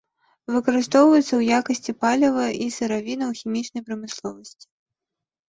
Выкарыстоўваюцца ў якасці паліва і сыравіны ў хімічнай прамысловасці.